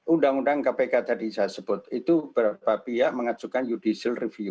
undang undang kpk tadi saya sebut itu beberapa pihak mengajukan judicial review